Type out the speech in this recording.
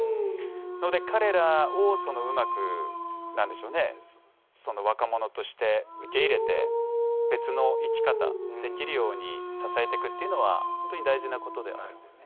ので彼らをうまく何でしょうね若者として受け入れて別の生き方できるように支えてくっていうのは本当に大事なことであるんだよね。